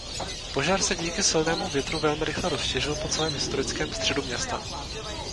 Požár se díky silnému větru velmi rychle rozšířil po celém historickém středu města.